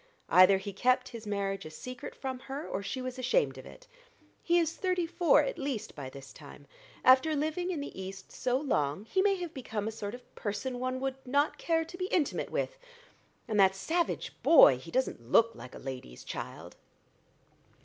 Either he kept his marriage a secret from her, or she was ashamed of it. He is thirty four at least by this time. After living in the East so long he may have become a sort of person one would not care to be intimate with, and that savage boy he doesn't look like a lady's child."